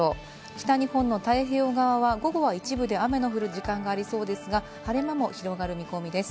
北日本の太平洋側は午後は一部で雨の降る時間がありそうですが、晴れ間も広がる見込みです。